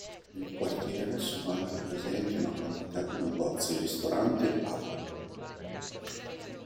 Nel quartiere sono anche presenti una quantità di negozi, ristoranti e pub.